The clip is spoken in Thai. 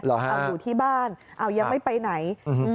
เอาอยู่ที่บ้านเอายังไม่ไปไหน